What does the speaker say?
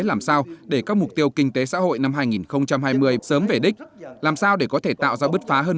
làm sao để các mục tiêu kinh tế xã hội năm hai nghìn hai mươi sớm về đích làm sao để có thể tạo ra bứt phá hơn